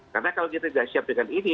karena kalau kita tidak siap dengan ini